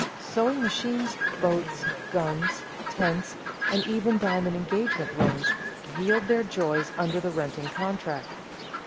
Sewing machines, boats, guns, tents, and even diamond engagement rings, yield their joys under the renting contract.